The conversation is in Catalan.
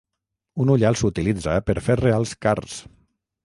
Un ullal s'utilitza per fer reals cars.